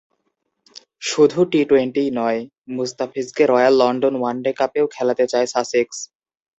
শুধু টি-টোয়েন্টিই নয়, মুস্তাফিজকে রয়্যাল লন্ডন ওয়ানডে কাপেও খেলাতে চায় সাসেক্স।